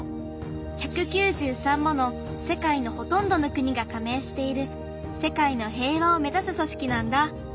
１９３もの世界のほとんどの国がかめいしている世界の平和を目指すそしきなんだ。